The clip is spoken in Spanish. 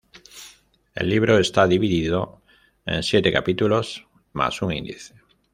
El libro está dividido en siete capítulos, más un índice.